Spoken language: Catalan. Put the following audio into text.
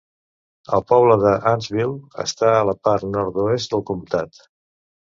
El poble d'Annsville està a la part nord-oest del comtat.